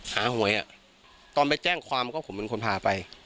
หวยอ่ะตอนไปแจ้งความก็ผมเป็นคนพาไป